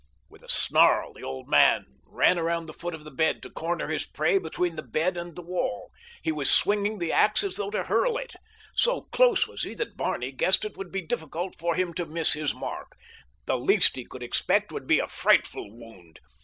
With a snarl the old man ran around the foot of the bed to corner his prey between the bed and the wall. He was swinging the ax as though to hurl it. So close was he that Barney guessed it would be difficult for him to miss his mark. The least he could expect would be a frightful wound.